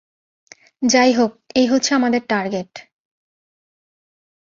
যাইহোক, এই হচ্ছে আমাদের টার্গেট।